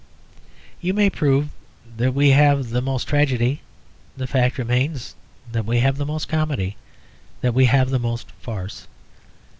You may prove that we have the most tragedy; the fact remains that we have the most comedy, that we have the most farce.